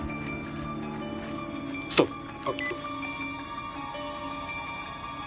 ストップ！